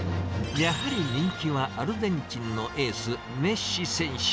やはり人気はアルゼンチンのエース、メッシ選手。